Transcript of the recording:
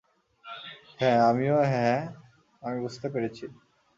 হ্যাঁ -আমিও -হ্যাঁ, আমি বুঝতে পেরেছি।